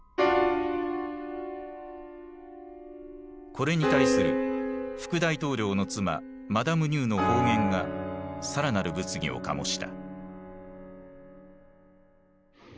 これに対する副大統領の妻マダム・ニューの放言が更なる物議を醸した。